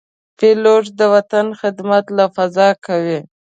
پیلوټ د وطن خدمت له فضا کوي.